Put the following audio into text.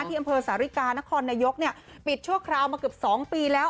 ที่อำเภอสาริกานครนโยกเนี่ยปิดชั่วคราวมากับสองปีแล้ว